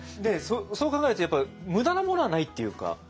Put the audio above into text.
そう考えるとやっぱ無駄なものはないっていうか。